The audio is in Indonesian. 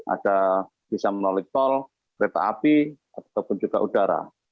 ada bisa menolik tol kereta api ataupun juga udara